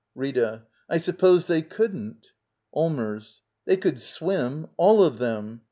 Rita. I suppose they couldn't. Allmers. They could swim — all of them.